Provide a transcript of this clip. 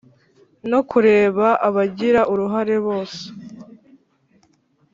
no kureba abagira uruhare bose